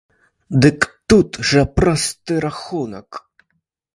Дык тут жа просты рахунак.